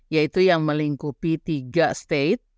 yaitu yang melingkupi tiga state